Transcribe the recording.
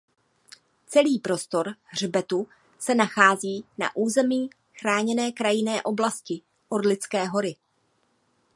Celý prostor hřbetu se nachází na území chráněné krajinné oblasti Orlické hory.